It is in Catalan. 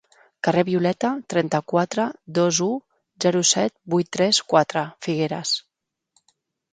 Carrer Violeta, trenta-quatre dos-u, zero set vuit tres quatre, Figueres.